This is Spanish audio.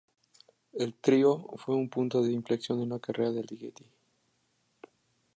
El trío fue un punto de inflexión en la carrera de Ligeti.